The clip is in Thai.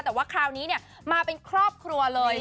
แต่ว่าคราวนี้มาเป็นครอบครัวเลย